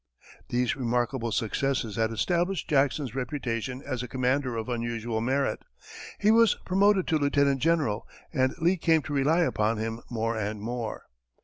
These remarkable successes had established Jackson's reputation as a commander of unusual merit; he was promoted to lieutenant general, and Lee came to rely upon him more and more.